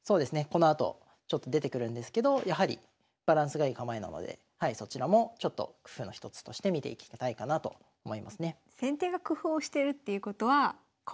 このあとちょっと出てくるんですけどやはりバランスがいい構えなのでそちらもちょっと工夫の一つとして見ていきたいかなと思いますね。